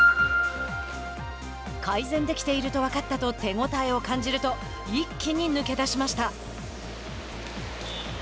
「改善できていると分かった」と手応えを感じると一気に抜け出しました。